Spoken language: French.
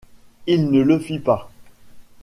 Il ne le fit pas.